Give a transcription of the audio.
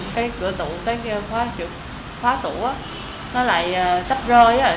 cái cửa tủ cái khóa tủ nó lại sắp rơi rồi